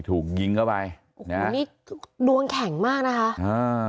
ถูกยิงเข้าไปนะฮะนี่ดวงแข็งมากนะคะอ่า